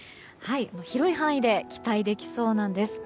広い範囲で期待できそうなんです。